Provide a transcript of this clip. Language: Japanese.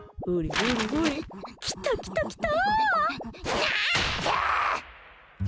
来た来た来た！